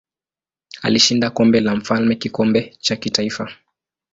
Alishinda Kombe la Mfalme kikombe cha kitaifa.